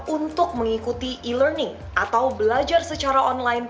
untuk mengikuti e learning atau belajar secara online